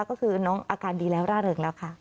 ก็คือน้องอาการดีแล้วร่าเริงแล้วค่ะ